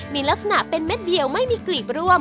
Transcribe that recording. มีลักษณะเป็นเม็ดเดียวไม่มีกลีบร่วม